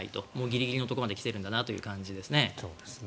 ギリギリのところまで来ているんだなという感じです。